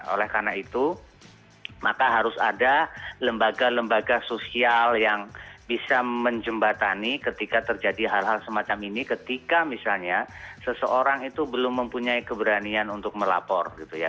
oleh karena itu maka harus ada lembaga lembaga sosial yang bisa menjembatani ketika terjadi hal hal semacam ini ketika misalnya seseorang itu belum mempunyai keberanian untuk melapor gitu ya